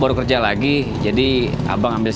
buat jadi kurir